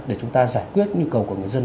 để chúng ta giải quyết nhu cầu của người dân